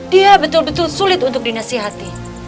dia betul betul sulit untuk dinasihati